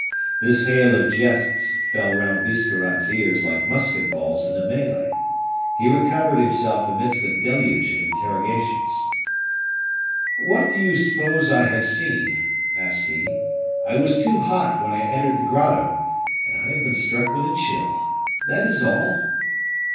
This hail of jests fell round Biscarrat's ears like musket balls in a melee. He recovered himself amidst a deluge of interrogations. "What do you suppose I have seen?" asked he. "I was too hot when I entered the grotto, and I have been struck with a chill. That is all."